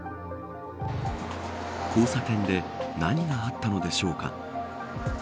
交差点で何があったのでしょうか。